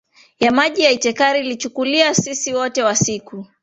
ya maji ya Itacara Ilichukua sisi wote wa siku